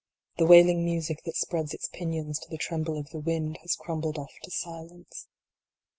The wailing music that spreads its pinions to the tremble of the wind, has crumbled off to silence.